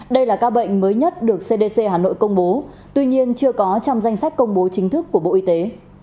đây là ca bệnh mới nhất được cdc hà nội công bố tuy nhiên chưa có trong danh sách công bố chính thức của bộ y tế